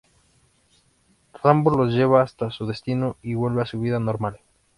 Rambo los lleva hasta su destino y vuelve a su vida normal.